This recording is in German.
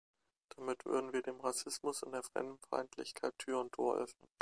Damit würden wir dem Rassismus und der Fremdenfeindlichkeit Tür und Tor öffnen.